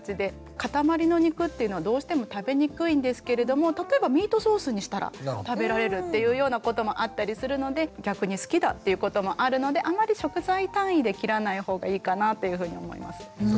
塊の肉っていうのはどうしても食べにくいんですけれども例えばミートソースにしたら食べられるっていうようなこともあったりするので逆に好きだっていうこともあるのであんまり食材単位で切らない方がいいかなというふうに思います。